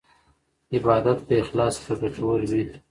عبادت په اخلاص سره ګټور وي.